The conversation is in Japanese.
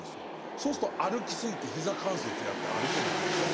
そうすると歩き過ぎて膝関節やって歩けなくなったりとか。